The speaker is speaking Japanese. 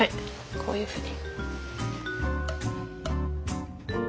こういうふうに。